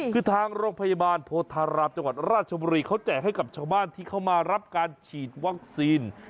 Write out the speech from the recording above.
คือทางโรงพยาบาลโพธารามจังหวัดราชบุรีเขาแจกให้กับชาวบ้านที่เข้ามารับการฉีดวัคซีน